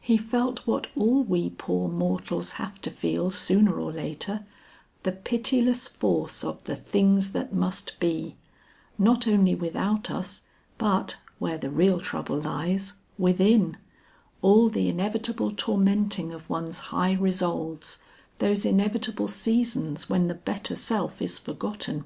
He felt what all we poor mortals have to feel sooner or later the pitiless force of the Things that Must Be, not only without us but (where the real trouble lies) within, all the inevitable tormenting of one's high resolves, those inevitable seasons when the better self is forgotten.